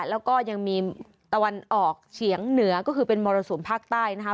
แล้วก็ยังมีตะวันออกเฉียงเหนือก็คือเป็นมรสุมภาคใต้นะคะ